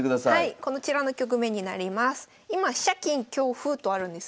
こちらの局面になります。